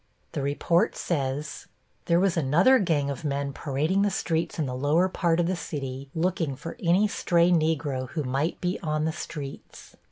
The report says: There was another gang of men parading the streets in the lower part of the city, looking for any stray Negro who might be on the streets.